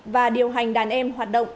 và điều hành đàn em hoạt động